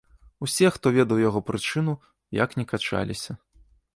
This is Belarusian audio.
Усе, хто ведаў яго прычыну, як не качаліся.